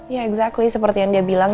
ya exacly seperti yang dia bilang